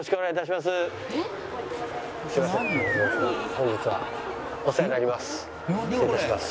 本日はお世話になります。